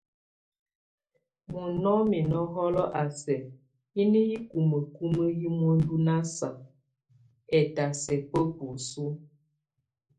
Munɔ́mɛ nɔhɔl a sɛk híni hikumukumu hɛ́ muendu nasa, étasɛ bá buesú.